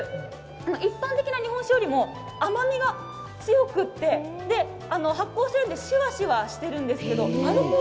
一般的な日本酒よりも甘みが強くて発酵しているのでシュワシュワしているんですけどアルコール、